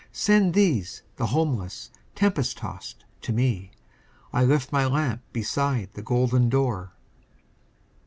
Send these, the homeless, tempest tost to me, I lift my lamp beside the golden door!"